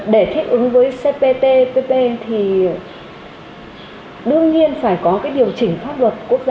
để thích ứng với cptpp thì đương nhiên phải có điều chỉnh pháp luật quốc gia